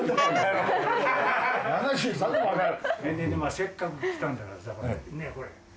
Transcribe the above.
せっかく来たんだからさこれ。